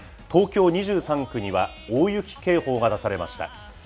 東京２３区には大雪警報が出されました。